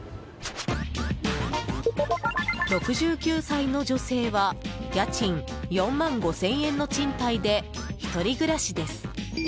６９歳の女性は家賃４万５０００円の賃貸で１人暮らしです。